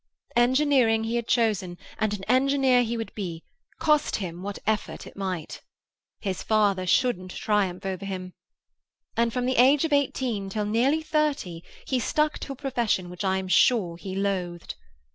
Engineering he had chosen, and an engineer he would be, cost him what effort it might. His father shouldn't triumph over him. And from the age of eighteen till nearly thirty he stuck to a profession which I am sure he loathed.